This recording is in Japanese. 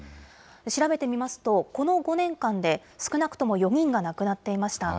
調べてみますと、この５年間で少なくとも４人が亡くなっていました。